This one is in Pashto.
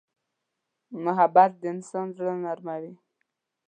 محبت د انسان زړه نرموي.